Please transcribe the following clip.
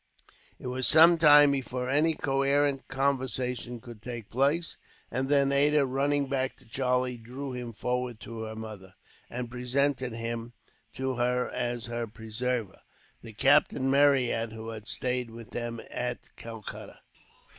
It was some time before any coherent conversation could take place; and then Ada, running back to Charlie, drew him forward to her mother; and presented him to her as her preserver, the Captain Marryat who had stayed with them at Calcutta.